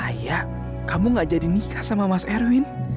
ayah kamu gak jadi nikah sama mas erwin